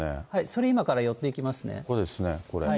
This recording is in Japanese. それ、今から寄っていきますね。